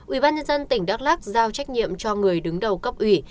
ubnd tỉnh đắk lắc giao trách nhiệm cho người đứng đầu cấp ủy